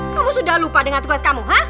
kamu sudah lupa dengan tugas kamu